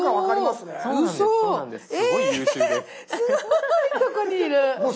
すごいとこにいる！